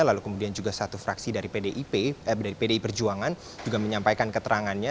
lalu kemudian juga satu fraksi dari pdi perjuangan juga menyampaikan keterangannya